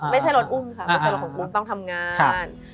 ไม่ใช่รถอุ้มค่ะไม่ใช่รถของอุ้มต้องทำงาน